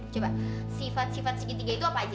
coba sifat sifat segitiga itu apa aja